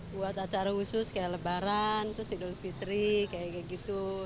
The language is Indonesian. buat acara khusus kayak lebaran terus idul fitri kayak gitu